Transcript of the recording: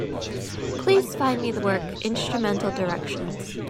Please find me the work, Instrumental Directions.